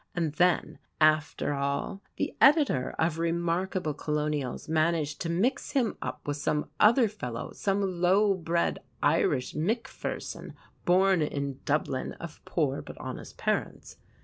And then, after all, the editor of "Remarkable Colonials" managed to mix him up with some other fellow, some low bred Irish McPherson, born in Dublin of poor but honest parents.